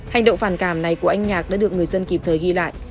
hành động phản cảm này của anh nhạc đã được người dân kịp thời ghi lại